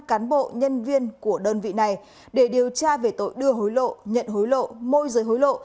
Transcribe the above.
cán bộ nhân viên của đơn vị này để điều tra về tội đưa hối lộ nhận hối lộ môi giới hối lộ